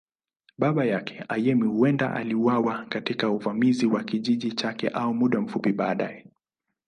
Baba yake, Ayemi, huenda aliuawa katika uvamizi wa kijiji chake au muda mfupi baadaye.